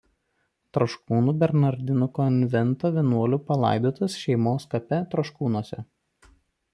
Troškūnų bernardinų konvento vienuolių palaidotas šeimos kape Troškūnuose.